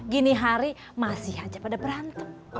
gini hari masih aja pada berantem